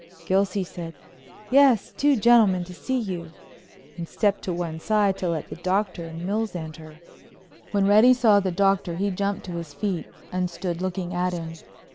Gilsey said, "Yes, two gentlemen to see you," and stepped to one side to let the Doctor and Mills enter. When Reddy saw the Doctor he jumped to his feet and stood looking at him.